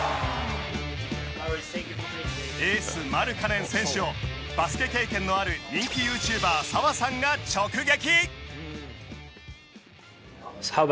エース、マルカネン選手をバスケ経験のある人気ユーチューバーサワさんが直撃。